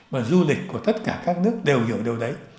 mà du lịch của tất cả các nước đều hiểu điều đấy